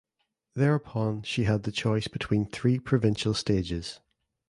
Thereupon she had the choice between three provincial stages.